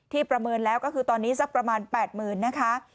ประเมินแล้วก็คือตอนนี้สักประมาณ๘๐๐๐นะคะ